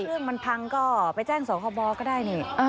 ถ้าเรื่องมันพังก็ไปแจ้งสวข้อบอกก็ได้